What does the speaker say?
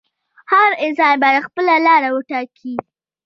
هر انسان باید خپله لاره وټاکي.